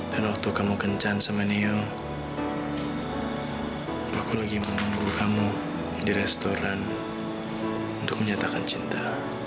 dan waktu kamu kencan sama niu aku lagi menunggu kamu di restoran untuk menyatakan cinta